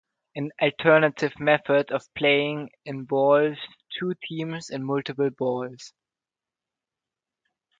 An alternative method of playing involves two teams and multiple balls.